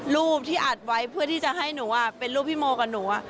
รูปที่อัดไว้เพื่อที่จะให้หนูเป็นรูปพี่โมกับหนู